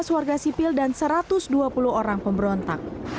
dua belas warga sipil dan satu ratus dua puluh orang pemberontak